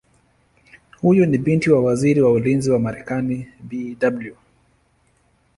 Huyu ni binti wa Waziri wa Ulinzi wa Marekani Bw.